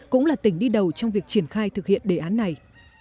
cũng là tỉnh đi đầu trong việc triển khai thực hiện đề án này